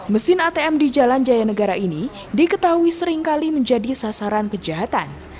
mesin atm di jalan jaya negara ini diketahui seringkali menjadi sasaran kejahatan